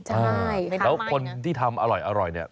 ใช่แล้วคนที่ทำอร่อยเนี่ย